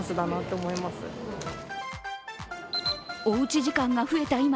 おうち時間が増えた